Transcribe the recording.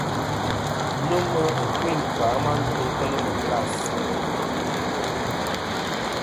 Nomɨ ɨkuyn ;kfà a ma ndo kel màtlas.